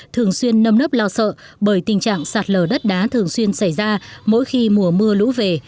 thường xuyên nâm nấp lo sợ bởi tình trạng sạt lở đất đá thường xuyên xảy ra mỗi khi mùa mưa lũ về